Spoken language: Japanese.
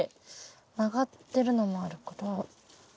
曲がってるのもあるから。